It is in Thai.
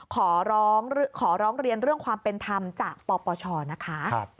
ขอร้องขอร้องเรียนเรื่องความเป็นธรรมจากปปชนะคะ